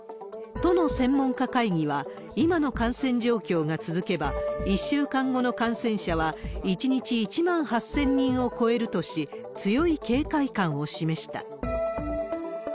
都の専門家会議は、今の感染状況が続けば、１週間後の感染者は１日１万８０００人を超えるとし、強い警戒感を示した。